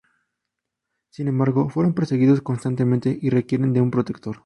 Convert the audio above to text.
Sin embargo, fueron perseguidos constantemente y requieren de un protector.